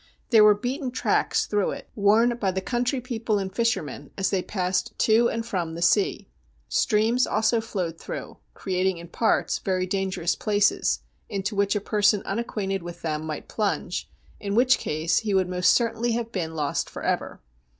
There were beaten tracts through it, worn by the country people and fishermen as they passed to and from the sea. Streams also flowed through, creating in parts very dangerous places into which a person unacquainted with them might plunge, in which case he would most certainly have been lost for ever.